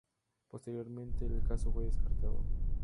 Posteriormente el caso fue descartado.